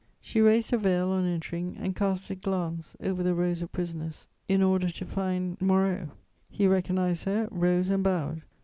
She raised her veil, on entering, and cast a glance over the rows of prisoners in order to find Moreau. He recognised her, rose and bowed.